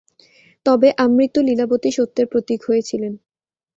তবে আমৃত্যু লীলাবতী সত্যের প্রতীক হয়ে ছিলেন।